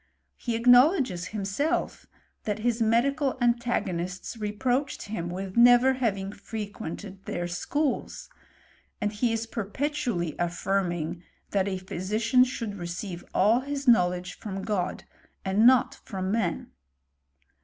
He acknowledges himself that his medical antagonists reproached him with never having frequented their schools ; and he is perpetually affirming, that a physician should receive all hui knowledge from God, and not from man.